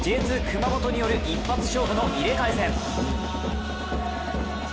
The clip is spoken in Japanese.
熊本による一発勝負、入れ替え戦。